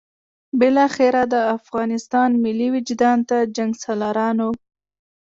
بالاخره د افغانستان ملي وجدان ته د جنګسالارانو.